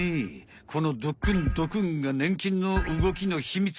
このドクンドクンがねん菌の動きのひみつ。